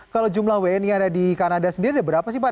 kalau jumlah wni yang ada di kanada sendiri ada berapa sih pak